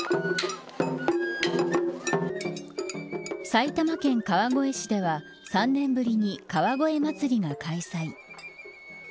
埼玉県川越市では３年ぶりに川越まつりが開催。